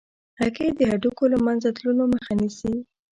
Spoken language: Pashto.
هګۍ د هډوکو له منځه تلو مخه نیسي.